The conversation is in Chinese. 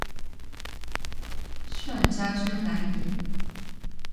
炫家军来也！